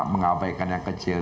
mengabaikan yang kecil